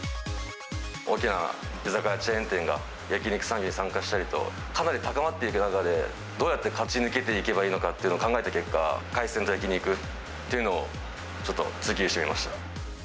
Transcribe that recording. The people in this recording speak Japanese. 大きな居酒屋チェーン店が焼き肉産業に参入したりと、かなり高まっていく中で、どうやって勝ち抜けていけばいいのかっていうのを考えた結果、海鮮と焼き肉というのを、ちょっと追求してみました。